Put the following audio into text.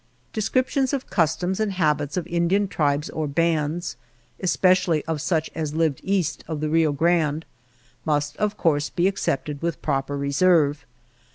Descriptions of customs and habits of In dian tribes or bands, especially of such as lived east of the Rio Grande, must of course be accepted with proper reserve.